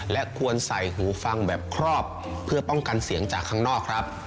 และควรใส่หูฟังแบบครอบเพื่อป้องกันเสียงจากข้างนอกครับ